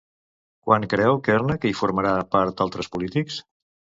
Quan creu Kärnä que hi formarà part altres polítics?